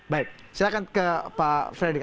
baik silahkan ke pak fredrik